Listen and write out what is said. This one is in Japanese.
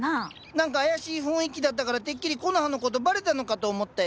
何か妖しい雰囲気だったからてっきりコノハのことバレたのかと思ったよ。